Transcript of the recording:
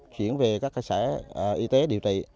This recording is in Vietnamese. chuyển về các xã y tế điều trị